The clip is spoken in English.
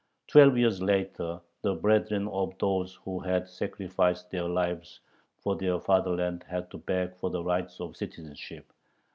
Twelve years later the brethren of those who had sacrificed their lives for their fatherland had to beg for the rights of citizenship.